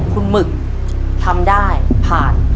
คุณหมึกทำได้ผ่าน